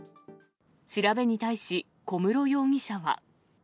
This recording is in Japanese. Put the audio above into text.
調べに対し、小室容疑者は。